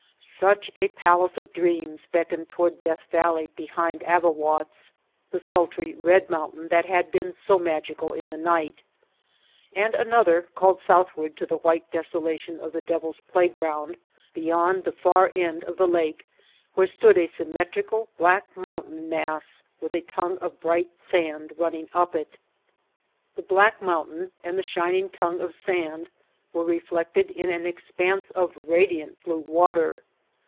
Such a pal ace of dreams beckoned toward Death Valley behind Avawatz, the sultry, red mountain that had been so magical in the night; and another called southward to the white desolation of the Devil's Playground beyond the far end of the lake where stood a symmetrical, black, mountain mass with a tongue of bright sand running up it. The black mountain and the shining tongue of sand were reflected in an expanse of radiant blue water.